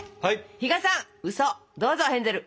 比嘉さんうそどうぞヘンゼル！